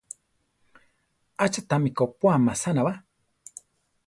Acha tami kopóa masana ba?